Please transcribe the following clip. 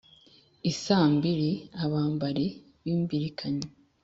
I saa mbiri abambari b'imbirikanyi